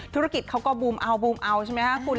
ธุรกิจเขาก็บูมเอาบูมเอาใช่ไหมคะคุณ